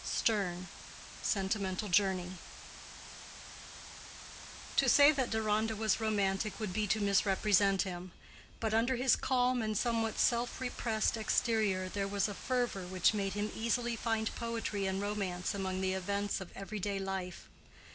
—STERNE: Sentimental Journey. To say that Deronda was romantic would be to misrepresent him; but under his calm and somewhat self repressed exterior there was a fervor which made him easily find poetry and romance among the events of everyday life.